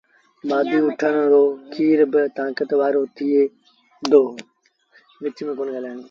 مآڌيٚ اُٺڻ رو کير با تآنڪت وآرو ٿئي دو۔